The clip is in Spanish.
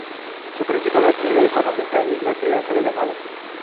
Su principal actividad económica es la crianza de ganado.